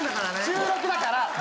収録だから。